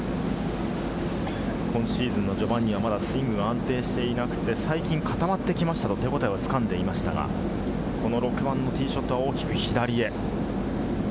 今シーズンの序盤にはまだスイングが安定していなくて、最近固まっていったという手応えを掴んでいましたが、この６番のティーショット、大きく左へ。